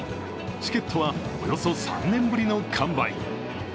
チケットはおよそ３年ぶりの完売。